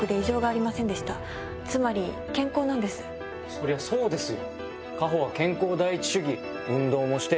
そりゃそうですよ！